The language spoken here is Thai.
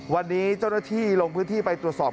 วันนี้เจ้าหน้าที่ลงพื้นที่ไปตรวจสอบ